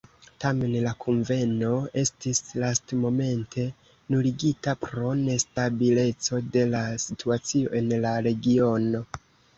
Tamen la kunveno estis lastmomente nuligita pro nestabileco de la situacio en la regiono.